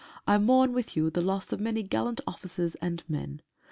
I mourn with you the loss of many gallant officers and men.